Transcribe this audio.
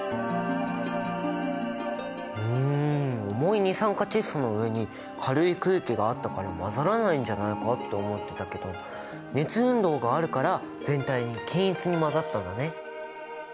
うん重い二酸化窒素の上に軽い空気があったから混ざらないんじゃないかって思ってたけど熱運動があるから全体に均一に混ざったんだね！